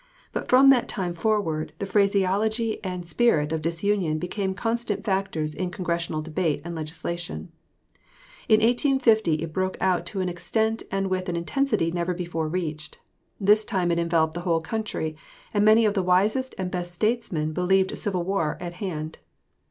But from that time forward the phraseology and the spirit of disunion became constant factors in Congressional debate and legislation. In 1850, it broke out to an extent and with an intensity never before reached. This time it enveloped the whole country, and many of the wisest and best statesmen believed civil war at hand.